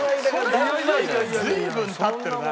随分経ってるな。